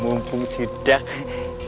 mumpung sidak sama sidar